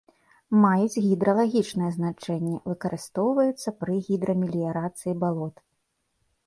Маюць гідралагічнае значэнне, выкарыстоўваюцца пры гідрамеліярацыі балот.